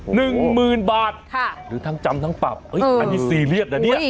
หนึ่งหมื่นบาทค่ะหรือทั้งจำทั้งปรับเอ้ยอันนี้ซีเรียสนะเนี่ย